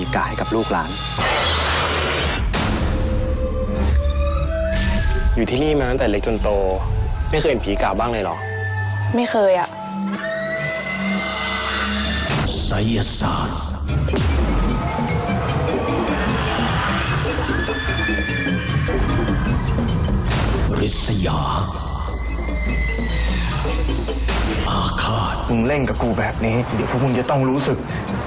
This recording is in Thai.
คุณเล่นกับกูแบบนี้เดี๋ยวคุณจะต้องรู้สึก